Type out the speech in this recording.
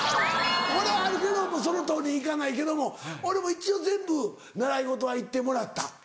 これはあるけどもそのとおりにいかないけども俺一応全部習い事は行ってもらった。